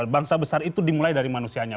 bangsa besar itu dimulai dari manusianya